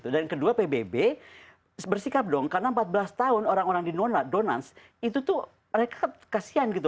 dan kedua pbb bersikap dong karena empat belas tahun orang orang di donans itu tuh mereka kasihan gitu